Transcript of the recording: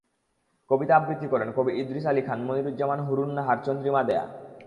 কবিতা আবৃত্তি করেন, কবি ইদ্রিস আলী খান, মুনিরুজ্জামান, হুরুন্নাহার, চন্দ্রিমা দেয়া।